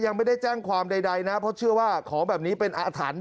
ยังไม่ได้แจ้งความใดนะเพราะเชื่อว่าของแบบนี้เป็นอาถรรพ